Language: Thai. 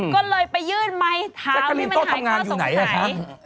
ก็เลยไปยื่นไมค์ท้าวให้มันหายข้อสงสัยแจ็กเกอรีนโต๊ะทำงานอยู่ไหนคะ